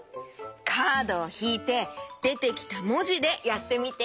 カードをひいてでてきたもじでやってみて。